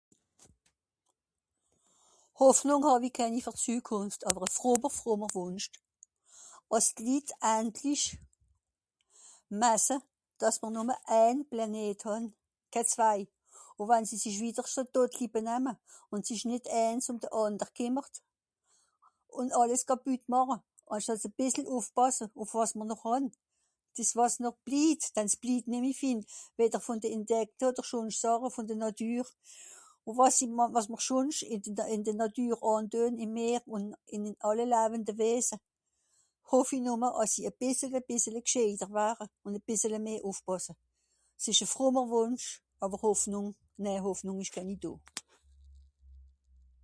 Hoffnùng hàw-i kenni fer d'Zükùnft, àwer e (...) Wùnsch, àss d'Litt andlisch masse, dàss mr nùmme èèn Plènet hàn, kè zwei. Ùn wann sie sìch wìdder so dodli benamme, ùn sich nìt èèns ùm de ànder bekìmmert, ùn àlles Kàppütt màche, àss se e bìssel ùffpàsse ùff wàs mr noch hàn. Dìs wàs noch blit, denn s'blit nemmi viel , wedder vùn de Indjekte odder schùnsch Sàche vùn de Nàtür. Wàs sie mà... wàs mr schùnsch ìn de... ìn de Nàtür àndüen, ìm Meer ùn ìn àlle lawende Wese. Hoff i nùmme àss sie e bìssele bìssele gschèiter ware, ùn e bìssele meh ùffpàsse. S'ìsch e (...) Wùnsch, àwer Hoffnùng, nè Hoffnùng ìsch kenni do.